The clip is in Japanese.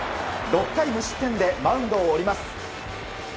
６回無失点でマウンドを降ります。